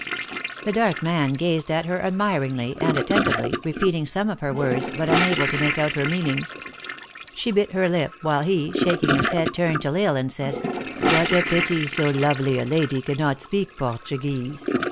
The dark man gazed at her admiringly and attentively, repeating some of her words, but unable THE ACTRESS IN HIGH LIFE. 125 to make out her meaning. She bit her lip, while he, shaking his head, turned to L Isle, and said, " what a pity so lovely a lady cannot speak Portuguese.